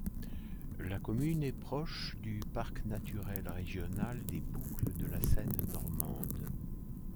La commune est proche du parc naturel régional des Boucles de la Seine normande.